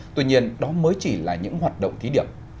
tuy nhiên đó mới chỉ là những hoạt động thí điểm